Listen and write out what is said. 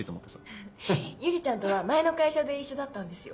フフ百合ちゃんとは前の会社で一緒だったんですよ。